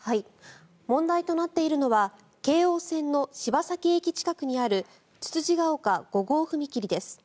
問題となっているのは京王線の柴崎駅近くにあるつつじヶ丘５号踏切です。